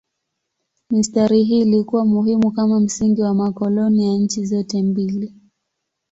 Mistari hii ilikuwa muhimu kama msingi wa makoloni ya nchi zote mbili.